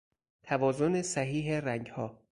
توازن صحیح رنگها